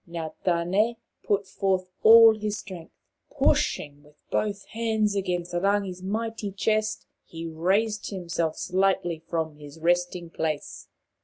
Now Tane put forth all his strength. Pushing with both hands against Rangi' s mighty chest, he raised him slightly from his resting place.